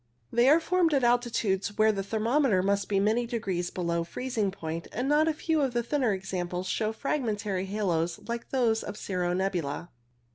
They are formed at altitudes where the thermometer must be many degrees below freezing point, and not a few of the thinner examples show fragmentary halos like those of cirro nebula.